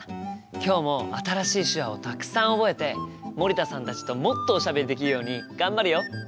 今日も新しい手話をたくさん覚えて森田さんたちともっとおしゃべりできるように頑張るよ！